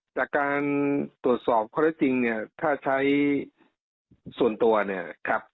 และการตรวจสอบข้อที่จริงเนี้ยถ้าใช้ส่วนตัวเนี่ย